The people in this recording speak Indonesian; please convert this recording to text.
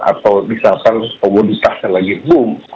atau misalkan komoditasnya lagi boom